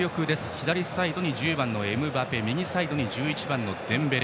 左サイドに１０番のエムバペ右サイドに１１番のデンベレ。